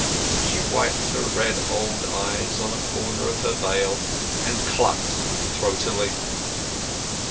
She wiped her red old eyes on a corner of her veil, and clucked throatily.